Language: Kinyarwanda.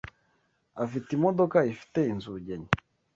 Afite imodoka ifite inzugi enye.